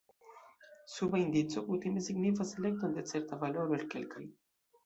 Suba indico kutime signifas elekton de certa valoro el kelkaj.